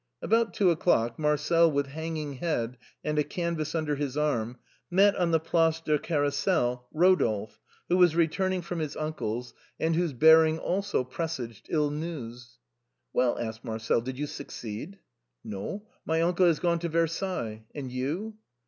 About two o'clock. Marcel with hanging head and a canvass under his arm, met on the Place du Carrousel Eo dolphe, who was returning from his uncle's, and whose bearing also presaged ill news. " Well," asked Marcel, " did you succeed ?"" No, my uncle has gone to Versailles. And you